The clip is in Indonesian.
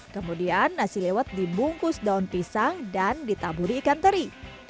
kemudian nasi lewat dibungkus daun pisang dan ditaburi ikan teri